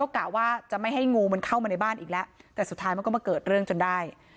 กะว่าจะไม่ให้งูมันเข้ามาในบ้านอีกแล้วแต่สุดท้ายมันก็มาเกิดเรื่องจนได้